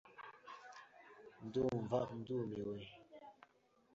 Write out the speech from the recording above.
Ndumva ndumiwe .